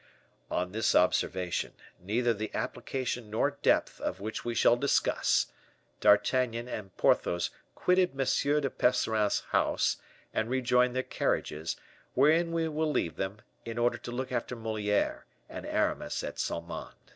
On this observation, neither the application nor depth of which we shall discuss, D'Artagnan and Porthos quitted M. de Percerin's house and rejoined their carriages, wherein we will leave them, in order to look after Moliere and Aramis at Saint Mande.